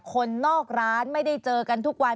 คนนอกร้านไม่ได้เจอกันทุกวัน